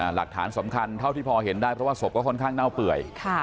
หลักฐานสำคัญเท่าที่พอเห็นได้เพราะว่าศพก็ค่อนข้างเน่าเปื่อย